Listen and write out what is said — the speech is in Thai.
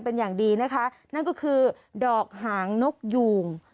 เป็นอย่างดีนะคะนั่นก็คือดอกหางนกยูง